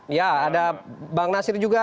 ya ada bang nasir juga